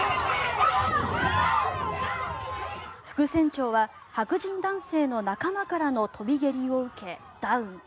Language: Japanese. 副船長は白人男性の仲間からの跳び蹴りを受けダウン。